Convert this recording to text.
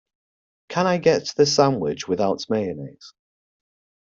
Can I get the sandwich without mayonnaise?